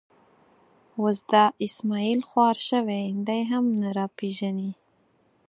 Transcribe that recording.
اوس دا اسمعیل خوار شوی، دی هم نه را پېژني.